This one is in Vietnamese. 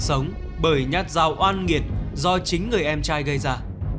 sống bởi nhát dao oan nghiệt do chính người em trai gây ra